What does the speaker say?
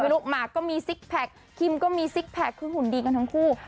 ลูกหมากก็มีซิกแพคิมก็มีซิกแพคคือหุ่นดีกันทั้งคู่